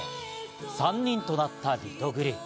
３人となったリトグリ。